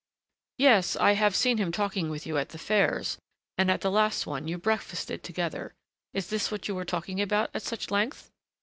"Yes, I have seen him talking with you at the fairs, and at the last one you breakfasted together: is this what you were talking about at such length?"